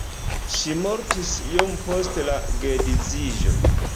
Ŝi mortis iom post la geedziĝo.